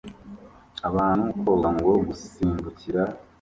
Abantu koga no gusimbukira mu kiyaga